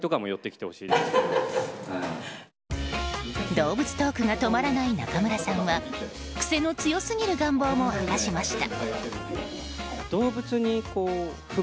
動物トークが止まらない中村さんは癖の強すぎる願望も明かしました。